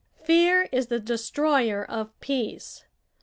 Fear is the destroyer of peace.